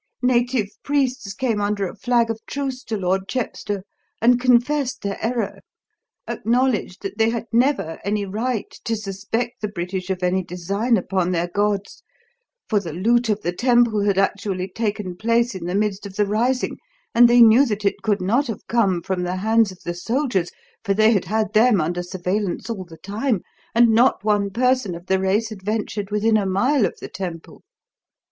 Native priests came under a flag of truce to Lord Chepstow, and confessed their error, acknowledged that they had never any right to suspect the British of any design upon their gods, for the loot of the temple had actually taken place in the midst of the rising, and they knew that it could not have come from the hands of the soldiers, for they had had them under surveillance all the time, and not one person of the race had ventured within a mile of the temple.